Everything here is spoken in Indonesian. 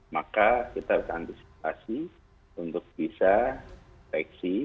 maka kita harus antisipasi untuk bisa deteksi